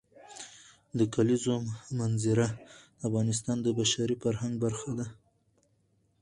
د کلیزو منظره د افغانستان د بشري فرهنګ برخه ده.